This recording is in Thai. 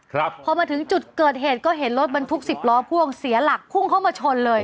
ครับพอมาถึงจุดเกิดเหตุก็เห็นรถบรรทุกสิบล้อพ่วงเสียหลักพุ่งเข้ามาชนเลย